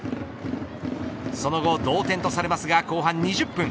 その後同点とされますが後半２０分。